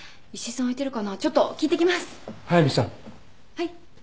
はい。